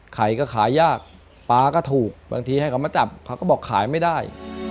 ใครก็ขายยากปลาก็ถูกบางทีให้เขามาจับเขาก็บอกขายไม่ได้